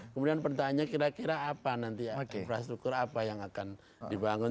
kemudian pertanyaannya kira kira apa nanti ya infrastruktur apa yang akan dibangun